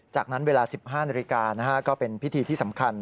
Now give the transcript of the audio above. จากนั้นเวลา๑๕นาฬิกาก็เป็นพิธีที่สำคัญ